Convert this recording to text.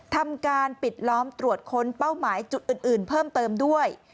ทำการปิดล้อมตรวจค้นเป้าหมายจุดอื่นเพิ่มเติมด้วย